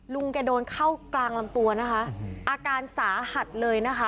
แกโดนเข้ากลางลำตัวนะคะอาการสาหัสเลยนะคะ